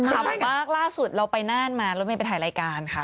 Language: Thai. ปั๊บล่าสุดเราไปน่านมาเราไม่ไปถ่ายรายการค่ะ